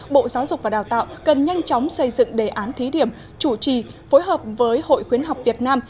bộ giáo dục và đào tạo cần nhanh chóng xây dựng đề án thí điểm chủ trì phối hợp với hội khuyến học việt nam